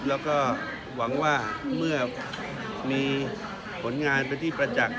แล้วก็หวังว่าเมื่อมีผลงานเป็นที่ประจักษ์